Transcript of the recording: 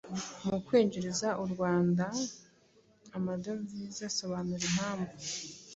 mu kwinjiriza u Rwanda amadovize? Sobanura impamvu.